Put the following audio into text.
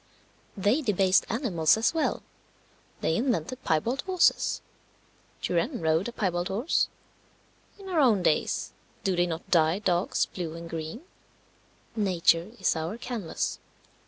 They debased animals as well; they invented piebald horses. Turenne rode a piebald horse. In our own days do they not dye dogs blue and green? Nature is our canvas.